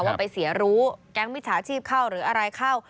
ว่าไปเสียรู้แก๊งมิจฉาชีพเข้าหรืออะไรเข้า